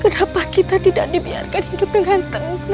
kenapa kita tidak dibiarkan hidup dengan tenang